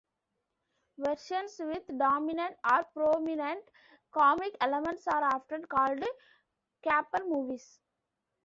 Versions with dominant or prominent comic elements are often called caper movies.